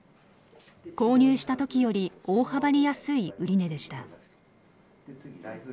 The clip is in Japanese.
購入した時より大幅に安い売値でした。